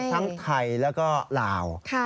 ทั้งไทยแล้วก็ลาว